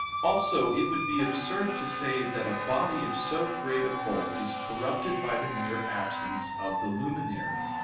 Also it would be absurd to say that a body of so great a bulk is corrupted by the mere absence of the luminary.